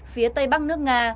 phía tây bắc nước nga